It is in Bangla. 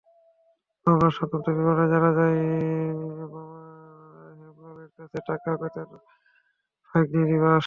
মামলার সংক্ষিপ্ত বিবরণে জানা যায়, মামা হেমলালের কাছে টাকা পেতেন ভাগনে নিবাস।